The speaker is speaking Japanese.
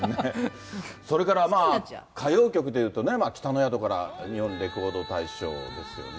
それから歌謡曲というと、北の宿から、日本レコード大賞ですよね。